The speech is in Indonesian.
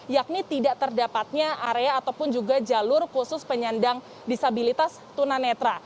yakni tidak terdapatnya area ataupun juga jalur khusus penyandang disabilitas tunanetra